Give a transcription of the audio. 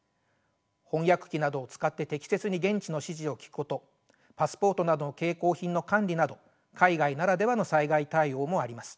翻訳機などを使って適切に現地の指示を聞くことパスポートなどの携行品の管理など海外ならではの災害対応もあります。